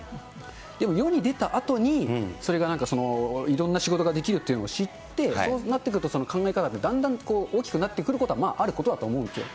でも世に出たあとに、それがなんか、いろんな仕事ができるっていうのを知って、そうなってくると、その考え方ってだんだん大きくなってくることは、あることだと思うんですよ。